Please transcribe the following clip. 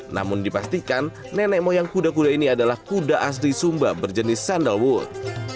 namun dipastikan nenek moyang kuda kuda ini adalah kuda asli sumba berjenis sandalwood